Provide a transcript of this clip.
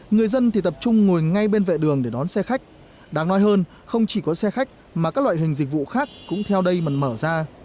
người dân thì tập trung ngồi ngay bên vệ đường để đón xe khách đáng nói hơn không chỉ có xe khách mà các loại hình dịch vụ khác cũng theo đây mà mở ra